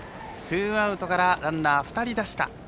ツーアウトからランナー２人、出した。